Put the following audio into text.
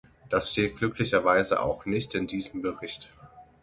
Das steht glücklicherweise auch nicht in diesem Bericht.